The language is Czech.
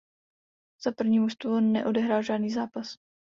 Za první mužstvo neodehrál žádný zápas.